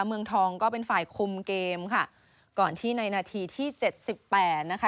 เมืองทองก็เป็นฝ่ายคุมเกมค่ะก่อนที่ในนาทีที่เจ็ดสิบแปดนะคะ